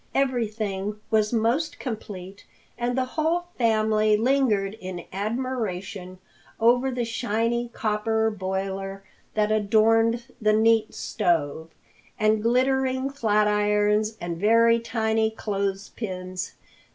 Everything was most complete and the whole family lingered in admiration over the shiny copper boiler that adorned the neat stove, the glittering flatirons and very tiny clothes pins.